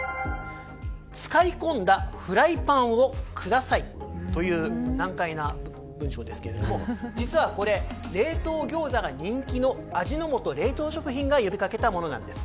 使い込んだフライパンをくださいという難解な文章ですけど実はこれ、冷凍ギョーザが人気の味の素冷凍食品が呼びかけたものなんです。